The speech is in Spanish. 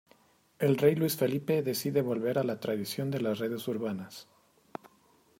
El rey Luis Felipe decide volver a la tradición de las redes urbanas.